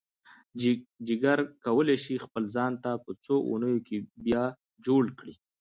جگر کولی شي خپل ځان په څو اونیو کې بیا جوړ کړي.